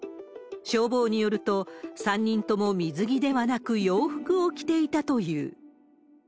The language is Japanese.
消防によると、３人とも水着ではなく洋服を着ていたという。